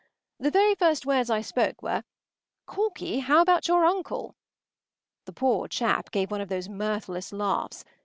The very first words I spoke were, “Corky, how about your uncle?” The poor chap gave one of those mirthless laughs.